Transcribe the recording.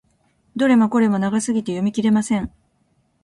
どれもこれも長すぎて読み切れません。